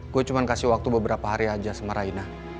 gue cuma kasih waktu beberapa hari aja sama raina